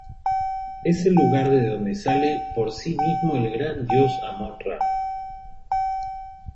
Es el lugar de donde sale por sí mismo el gran dios Amón-Ra.